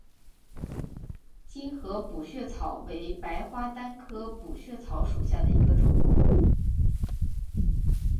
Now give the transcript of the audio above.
精河补血草为白花丹科补血草属下的一个种。